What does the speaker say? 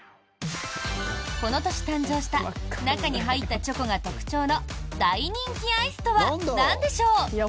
この年誕生した中に入ったチョコが特徴の大人気アイスとはなんでしょう？